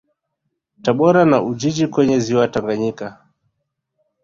Tabora na Ujiji kwenye Ziwa Tanganyika